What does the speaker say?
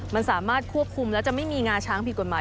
มันสามารถควบคุมแล้วจะไม่มีงาช้างผิดกฎหมาย